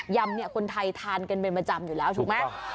ำเนี่ยคนไทยทานกันเป็นประจำอยู่แล้วถูกไหม